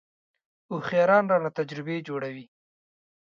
هوښیاران رانه تجربې جوړوي .